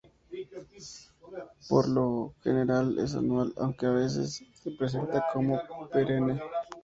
Por lo general es anual, aunque a veces se presenta como perenne.